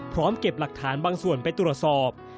พร้อมเก็บหลักฐานบางส่วนไปตรวจสอบ